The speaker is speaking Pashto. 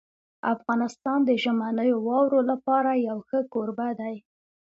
افغانستان د ژمنیو واورو لپاره یو ښه کوربه دی.